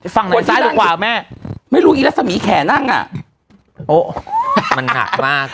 ฝั่งไหนซ้ายหรือขวาแม่ไม่รู้อีกแล้วสมีแขนนั่งอ่ะมันหักมาก